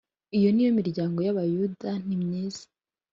Iyo ni yo miryango y Abayuda nimyiza